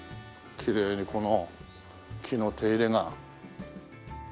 きれいにこの木の手入れが。